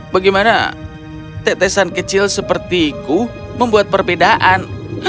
bagaimana tetesan kecil sepertiku membuat perbedaan